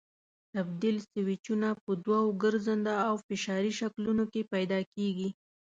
تبدیل سویچونه په دوو ګرځنده او فشاري شکلونو کې پیدا کېږي.